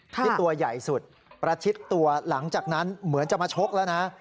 ที่ตัวใหญ่สุดประชิดตัวหลังจากนั้นเหมือนจะมาชกแล้วนะ